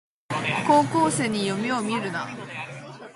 高校生に夢をみるな